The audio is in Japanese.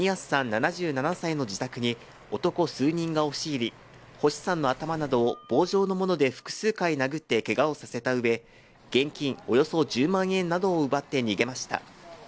７７歳の自宅に男数人が押し入り、星さんの頭などを棒状のもので複数回殴ってけがをさせたうえ、現金およそ１０万円などを奪って逃げました。